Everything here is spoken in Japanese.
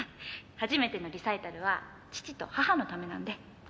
「初めてのリサイタルは父と母のためなんで」